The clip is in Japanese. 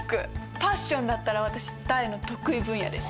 ファッションだったら私大の得意分野です。